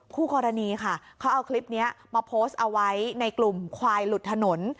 คู่กรณีค่ะเขาเอาคลิปนี้มาโพสต์เอาไว้ในกลุ่มควายหลุดถนน